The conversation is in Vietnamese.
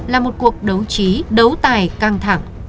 là một cuộc đấu trí đấu tài căng thẳng